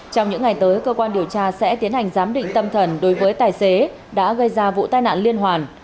trong những ngày tới cơ quan điều tra sẽ tiến hành giám định tâm thần đối với tài xế đã gây ra vụ tai nạn liên hoàn